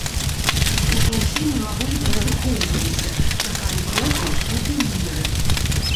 Ужо ўсе мімаволі прыслухоўваліся, чакалі крокаў, стуку ў дзверы.